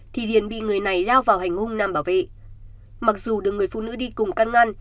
thì liền bị người này lao vào hành hung nằm bảo vệ mặc dù được người phụ nữ đi cùng căn ngăn